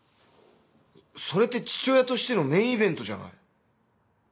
それって父親としてのメインイベントじゃない。